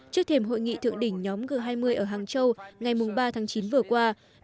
trước thềm hội nghị thượng đỉnh nhóm g hai mươi ở hàng châu ngày ba tháng chín vừa qua